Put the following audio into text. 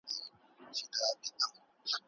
ایا ټولنیز واقعیتونه په انسانانو اغېزه لري؟